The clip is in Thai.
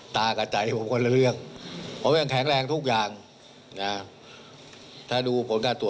ต่อไปนี้ก็จะเตรียมฟ้องละคือตั้งแท่นรอฟ้องส์ไปเลย